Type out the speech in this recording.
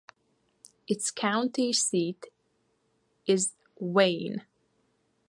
Its county seat is Wayne.